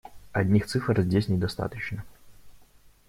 Одних цифр здесь недостаточно.